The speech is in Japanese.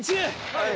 はい！